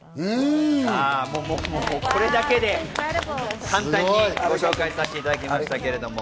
これだけで簡単にご紹介させていただきましたけれども。